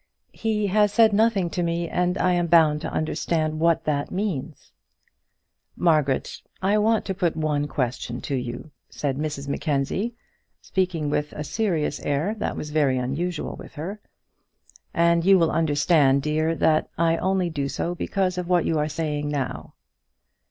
"He has said nothing to me, and I am bound to understand what that means." "Margaret, I want to put one question to you," said Mrs Mackenzie, speaking with a serious air that was very unusual with her, "and you will understand, dear, that I only do so because of what you are saying now."